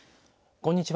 こんにちは。